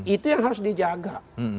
itu yang harus dijaga